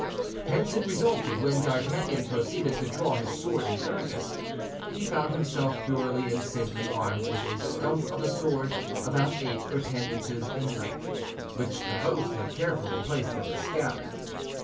Hence, it resulted when D'Artagnan proceeded to draw his sword in earnest, he found himself purely and simply armed with a stump of a sword about eight or ten inches in length, which the host had carefully placed in the scabbard.